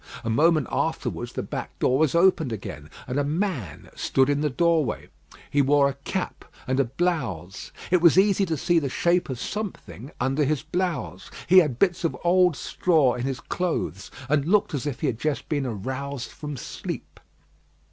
A moment afterwards the back door was opened again, and a man stood in the doorway. He wore a cap and a blouse. It was easy to see the shape of something under his blouse. He had bits of old straw in his clothes, and looked as if he had just been aroused from sleep.